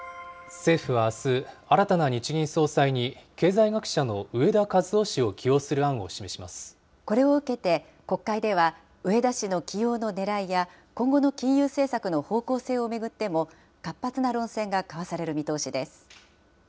政府はあす、新たな日銀総裁に、経済学者の植田和男氏を起用するこれを受けて、国会では植田氏の起用のねらいや、今後の金融政策の方向性を巡っても、活発な論戦が交わされる見通しです。